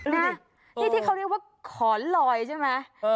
นี่ที่เขาเรียกว่าขอนลอยใช่ไหม